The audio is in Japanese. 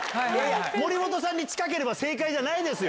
森本さんに近ければ正解じゃないですよ。